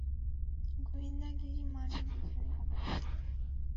গোয়েন্দাগিরি মানে বিশ্বাসঘাতকতা।